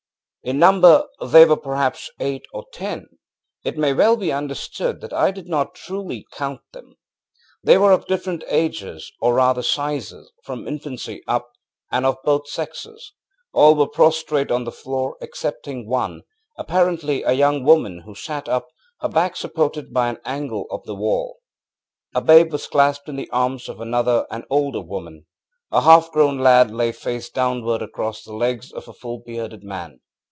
In number they were perhaps eight or tenŌĆöit may well be understood that I did not truly count them. They were of different ages, or rather sizes, from infancy up, and of both sexes. All were prostrate on the floor, excepting one, apparently a young woman, who sat up, her back supported by an angle of the wall. A babe was clasped in the arms of another and older woman. A half grown lad lay face downward across the legs of a full bearded man.